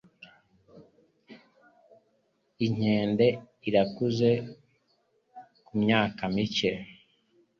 Inkende irakuze kumyaka mike.